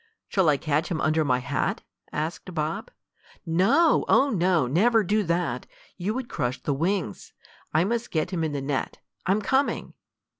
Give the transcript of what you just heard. "Shall I catch him under my hat?" asked Bob. "No! Oh no! Never do that! You would crush the wings. I must get him in the net. I'm coming!"